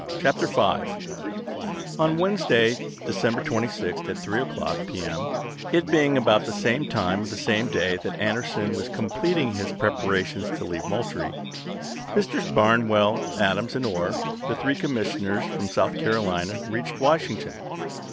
p. 122. N Wednesday, December 26, at 3 o'clock p. m., it being about the same time of the same day that Anderson was completing his Commis . tL°enpres£ preparations to leave Moultrie, Messrs. Barnwell, (ITi86iau' Adams, and Orr, the three commissioners from South Carolina, reached Washington.